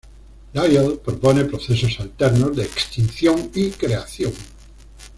Lyell propone procesos alternos de extinción y creación.